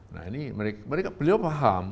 nah ini mereka beliau paham